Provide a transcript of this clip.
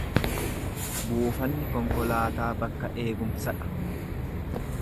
Buufanni konkolaataa bakka eeggumsa dha.